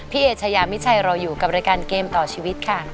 เอเชยามิชัยรออยู่กับรายการเกมต่อชีวิตค่ะ